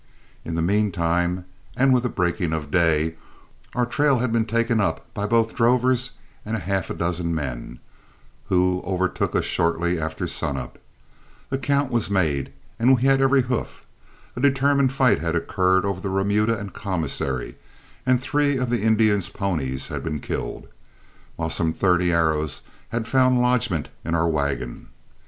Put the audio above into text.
In the mean time, and with the breaking of day, our trail had been taken up by both drovers and half a dozen men, who overtook us shortly after sun up. A count was made and we had every hoof. A determined fight had occurred over the remuda and commissary, and three of the Indians' ponies had been killed, while some thirty arrows had found lodgment in our wagon.